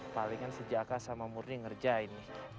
palingan sejakah sama murni ngerjain